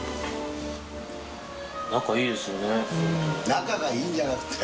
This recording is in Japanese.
仲がいいんじゃなくて。